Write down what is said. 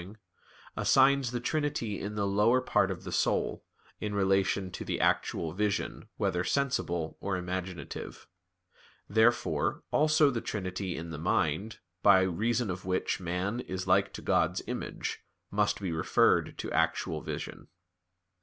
assigns the trinity in the lower part of the soul, in relation to the actual vision, whether sensible or imaginative. Therefore, also, the trinity in the mind, by reason of which man is like to God's image, must be referred to actual vision.